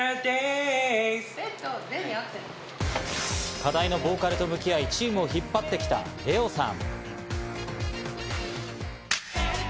課題のボーカルと向き合いチームを引っ張ってきたレオさん。